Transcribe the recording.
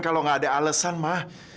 kalau nggak ada alasan ma